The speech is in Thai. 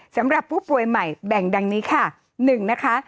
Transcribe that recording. สำหรับผู้ป่วยใหม่แบ่งดังนี้ค่ะ๑นะคะ